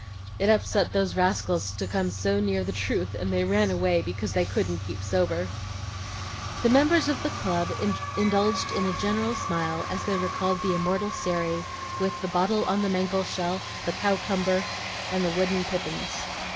It upset those rascals to come so near the truth, and they ran away because they couldn't keep sober." The members of the club indulged in a general smile as they recalled the immortal Sairey with "the bottle on the mankle shelf," the "cowcuber," and the wooden pippins.